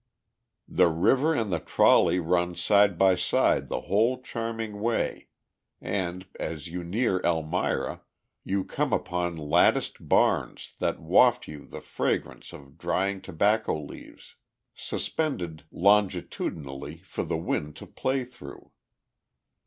The river and the trolley run side by side the whole charming way, and, as you near Elmira, you come upon latticed barns that waft you the fragrance of drying tobacco leaves, suspended longitudinally for the wind to play through.